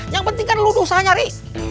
yang penting kan lu udah usaha nyari